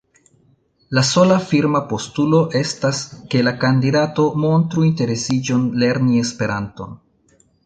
La sola firma postulo estas, ke la kandidato “montru interesiĝon lerni Esperanton”.